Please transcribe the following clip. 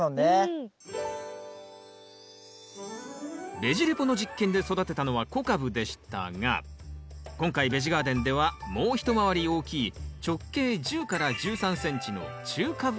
「ベジ・レポ」の実験で育てたのは小カブでしたが今回ベジガーデンではもう一回り大きい直径１０１３ｃｍの中カブを育てます。